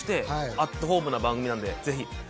アットホームな番組なのでぜひ。